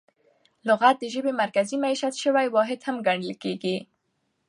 لغت د ژبي مرکزي مېشت سوی واحد هم ګڼل کیږي.